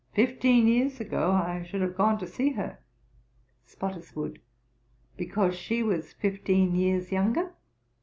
'Fifteen years ago I should have gone to see her.' SPOTTISWOODE. 'Because she was fifteen years younger?'